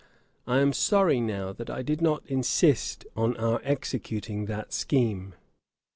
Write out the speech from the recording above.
I am sorry now that I did not insist on our executing that scheme.